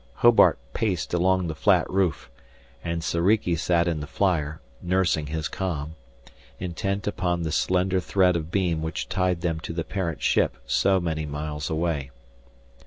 Hobart paced along the flat roof, and Soriki sat in the flyer, nursing his com, intent upon the slender thread of beam which tied them to the parent ship so many miles away.